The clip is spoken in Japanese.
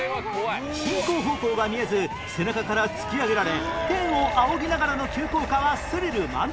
進行方向が見えず背中から突き上げられ天を仰ぎながらの急降下はスリル満点！